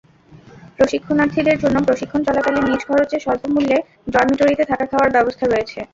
প্রশিক্ষণার্থীদের জন্য প্রশিক্ষণ চলাকালীন নিজ খরচে স্বল্পমূল্যে ডরমিটরিতে থাকা-খাওয়ার ব্যবস্থা রয়েছে।